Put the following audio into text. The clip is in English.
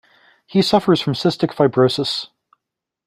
He suffers from cystic fibrosis.